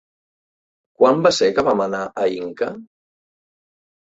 Quan va ser que vam anar a Inca?